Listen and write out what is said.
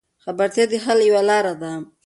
خبرتیا د حل یوه لار ده.